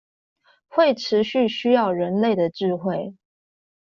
會持續需要人類的智慧